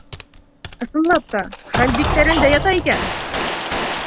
Ысынлап та, хәл бик тәрәндә ята икән!